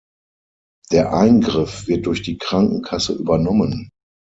Der Eingriff wird durch die Krankenkasse übernommen.